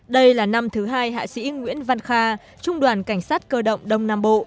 đây là năm thứ hai hạ sĩ nguyễn văn kha trung đoàn cảnh sát cơ động đông nam bộ